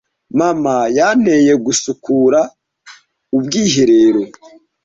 Mama yanteye gusukura ubwiherero.